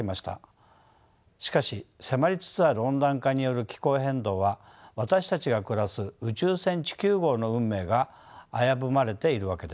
しかし迫りつつある温暖化による気候変動は私たちが暮らす宇宙船地球号の運命が危ぶまれているわけです。